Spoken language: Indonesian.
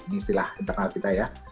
di istilah internal kita ya